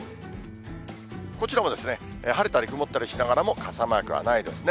こちらもですね、晴れたり曇ったりしながらも、傘マークはないですね。